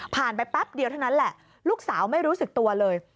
ไปแป๊บเดียวเท่านั้นแหละลูกสาวไม่รู้สึกตัวเลย